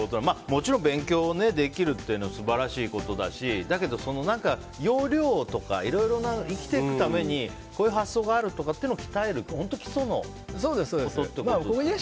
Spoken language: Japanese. もちろん勉強ができるというのは素晴らしいことだしだけど、要領とかいろいろ生きていくためにこういう発想があるっていうのを鍛える、本当に基礎のことってことですね。